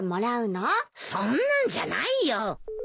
そんなんじゃないよ。